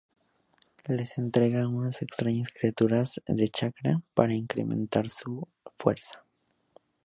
Les entrega unas extrañas criaturas de chakra para incrementar su fuerza.